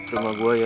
rumah gue ya